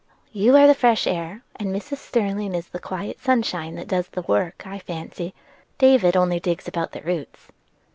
"You are the fresh air, and Mrs. Sterling is the quiet sunshine that does the work, I fancy. David only digs about the roots."